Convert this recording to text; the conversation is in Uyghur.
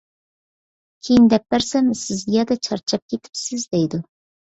كېيىن دەپ بەرسەم، سىز زىيادە چارچاپ كېتىپسىز دەيدۇ.